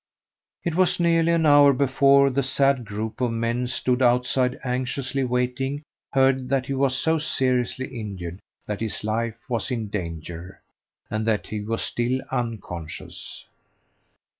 It was nearly an hour before the sad group of men who stood outside anxiously waiting heard that he was so seriously injured that his life was in danger, and that he was still unconscious.